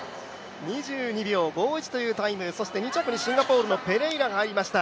２２秒５１というタイム、２着にシンガポールのペレイラが入りました。